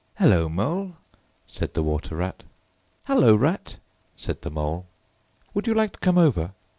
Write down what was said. "Hullo, Mole!" said the Water Rat. "Hullo, Rat!" said the Mole. "Would you like to come over?"